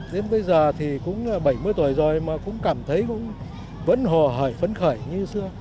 đến bây giờ thì cũng bảy mươi tuổi rồi mà cũng cảm thấy vẫn hò hởi vẫn khởi như xưa